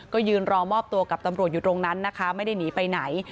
ก็ยืนรอมอบตัวกับตำรวจอยู่ตรงนั้นนะคะไม่ได้หนีไปไหน